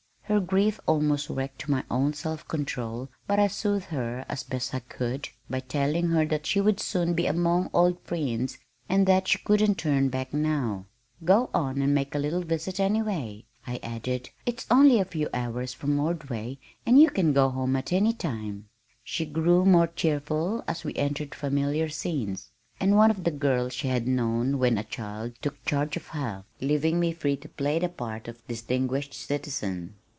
Her grief almost wrecked my own self control but I soothed her as best I could by telling her that she would soon be among old friends and that she couldn't turn back now. "Go on and make a little visit anyway," I added. "It's only a few hours from Ordway and you can go home at any time." She grew more cheerful as we entered familiar scenes, and one of the girls she had known when a child took charge of her, leaving me free to play the part of distinguished citizen.